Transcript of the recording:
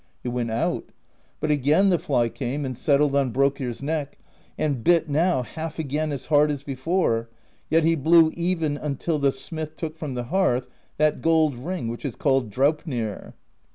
He went out; but again the fly came and settled on Brokkr's neck, and bit now half again as hard as before; yet he blew even until the smith took from the hearth that gold ring which is called Draupnir.